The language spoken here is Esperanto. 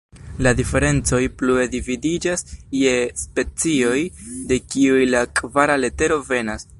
La Diferencoj plue dividiĝas je "Specioj", de kiuj la kvara letero venas.